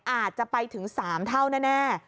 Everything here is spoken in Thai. อาจจะไปถึง๓เท่าแน่